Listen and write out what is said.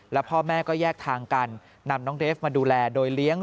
และพ่อแม่ก็แยกทางกันนำน้องเดฟมาดูแลโดยเลี้ยง